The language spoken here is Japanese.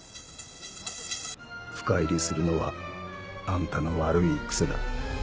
深入りするのはあんたの悪い癖だ。